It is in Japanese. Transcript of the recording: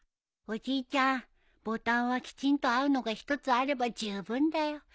おじいちゃんボタンはきちんと合うのが一つあれば十分だよ。